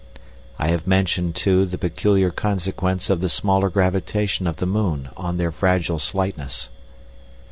I have mentioned, too, the peculiar consequence of the smaller gravitation of the moon on their fragile slightness.